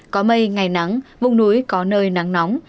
có mây ngày nắng vùng núi có nơi nắng nóng